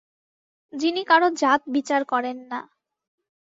যিনি কারও জাত বিচার করেন না।